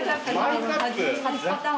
初パターン。